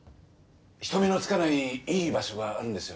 人目のつかないいい場所があるんですよ